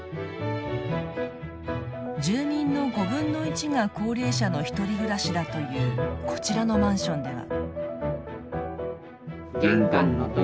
住民の５分の１が高齢者のひとり暮らしだというこちらのマンションでは。